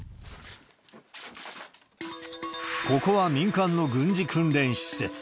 ここは民間の軍事訓練施設。